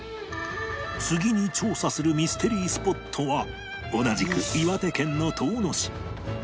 次に調査するミステリースポットは同じく岩手県の遠野市